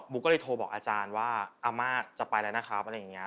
ก็เลยโทรบอกอาจารย์ว่าอาม่าจะไปแล้วนะครับอะไรอย่างนี้